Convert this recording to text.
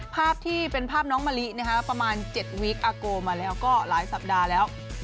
ภาพที่เป็นภาพน้องมะลิประมาณ๗วิกอาโกมาแล้วก็หลายสัปดาห์แล้ว